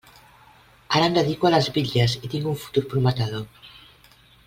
Ara em dedico a les bitlles i tinc un futur prometedor.